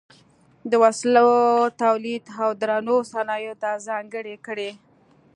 د وسلو تولید او درنو صنایعو ته ځانګړې کړې.